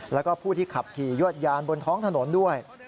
แล้วก็ผู้ที่ขับขี่ยวดยานบนท้องถนนด้วย